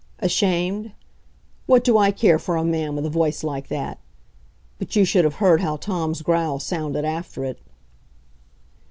Ashamed? What do I care for a man with a voice like that! ... But you should have heard how Tom's growl sounded after it.